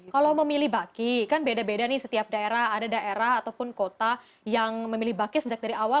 kalau memilih baki kan beda beda nih setiap daerah ada daerah ataupun kota yang memilih baki sejak dari awal